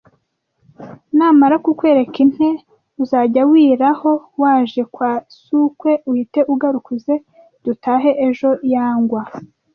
Namara kukwereka intee uzajya wiaraho waje kwa soukwe uhite ugaruka uze dutahe ejo yangwa